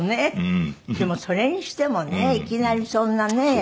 でもそれにしてもねいきなりそんなね。